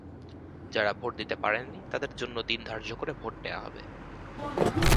যাঁরা ভোট দিতে পারেননি, তাঁদের জন্য দিন ধার্য করে ভোট নেওয়া হবে।